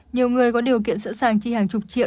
nhiều người có điều kiện sẵn sàng chi hàng chục triệu